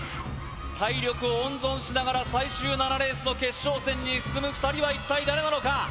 体力を温存しながら最終７レースの決勝戦に進む２人は一体誰なのか？